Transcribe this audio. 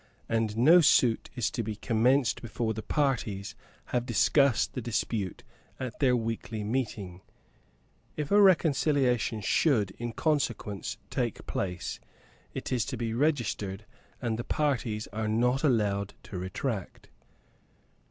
And no suit is to be commenced before the parties have discussed the dispute at their weekly meeting. If a reconciliation should, in consequence, take place, it is to be registered, and the parties are not allowed to retract.